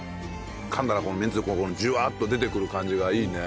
かんだらこのめんつゆこうジュワっと出てくる感じがいいね。